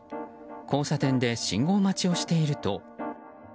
交差点で信号待ちをしていると。